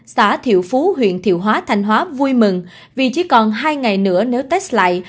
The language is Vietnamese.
xã thiệu phú huyện thiệu hóa thanh hóa vui mừng vì chỉ còn hai ngày nữa nếu test lại